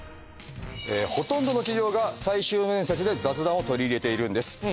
ほとんどの企業が最終面接で雑談を取り入れているんです。